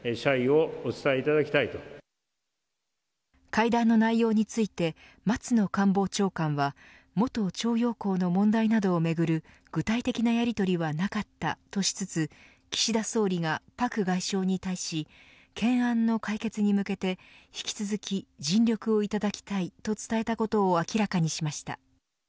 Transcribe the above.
会談の内容について松野官房長官は元徴用工の問題などをめぐる具体的なやりとりはなかったとしつつ岸田総理が、朴外相に対し懸案の解決に向けて、引き続き尽力をいただきたいと伝えたことを明らかにしました。